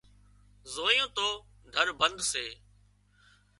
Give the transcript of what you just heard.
زويون تو در بند سي